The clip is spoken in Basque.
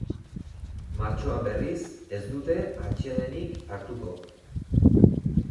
Martxoan, berriz, ez dute atsedenik hartuko.